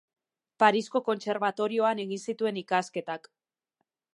Parisko kontserbatorioan egin zituen ikasketak.